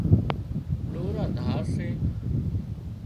ڏورا ڌار سي